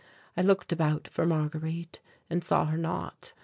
I looked about for Marguerite and saw her not.